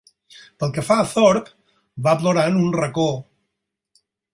Pel que fa a Thorpe, va plorar en un racó.